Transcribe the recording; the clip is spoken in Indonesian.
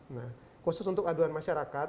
nah khusus untuk aduan masyarakat